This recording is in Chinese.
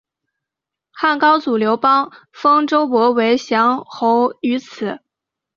汉高祖刘邦封周勃为绛侯于此。